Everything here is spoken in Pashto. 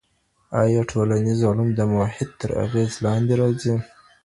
ایا ټولنیز علوم د محیط تر اغېز لاندې راځي؟